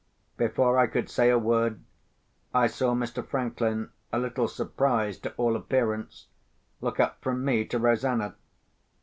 Before I could say a word, I saw Mr. Franklin, a little surprised to all appearance, look up from me to Rosanna.